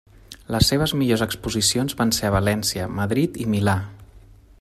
Les seves millors exposicions van ser a València, Madrid i Milà.